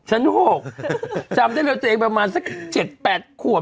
ชั้น๖จำได้เร็วตัวเองประมาณสัก๗๘ขวบ